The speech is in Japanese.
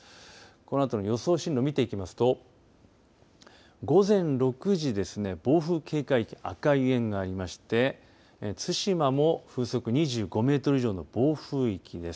このあとの予想進路見ていきますと午前６時ですね、暴風警戒域赤い円がありまして対馬も風速２５メートル以上の暴風域です。